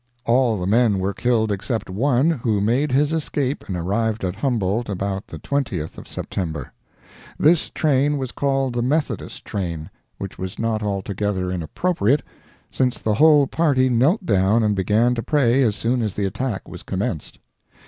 All the men were killed except one, who made his escape and arrived at Humboldt about the 20th of September. This train was called the "Methodist Train," which was not altogether inappropriate, since the whole party knelt down and began to pray as soon as the attack was commenced.